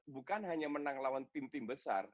bukan hanya menang lawan tim tim besar